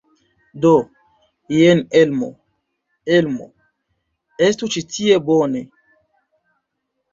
Do, jen Elmo. Elmo, estu ĉi tie! Bone.